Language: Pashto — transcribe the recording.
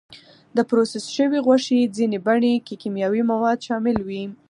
د پروسس شوې غوښې ځینې بڼې کې کیمیاوي مواد شامل وي.